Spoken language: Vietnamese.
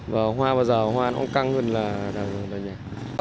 và hoa bây giờ hoa nó cũng căng hơn là đào rừng đòi nhà